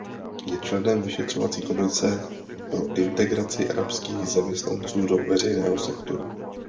Je členem vyšetřovací komise pro integraci arabských zaměstnanců do veřejného sektoru.